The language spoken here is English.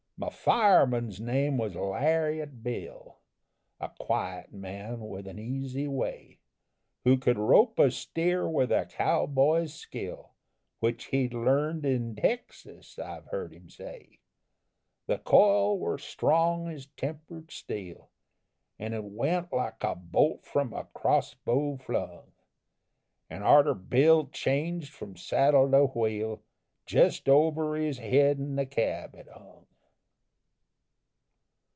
"My fireman's name was Lariat Bill, A quiet man with an easy way, Who could rope a steer with a cow boy's skill, Which he'd learned in Texas, I've heard him say. The coil were strong as tempered steel, An' it went like a bolt from a cross bow flung, An' arter Bill changed from saddle to wheel, Just over his head in the cab it hung.